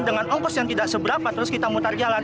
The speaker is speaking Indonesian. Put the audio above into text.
dengan ongkos yang tidak seberapa terus kita mutar jalan